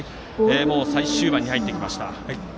もう最終盤に入ってきました。